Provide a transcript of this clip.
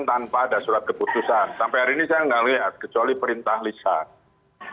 tanpa ada surat keputusan sampai hari ini saya nggak lihat kecuali perintah lisan